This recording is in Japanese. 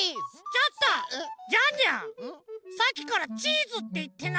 ちょっとジャンジャンさっきから「チーズ」っていってない？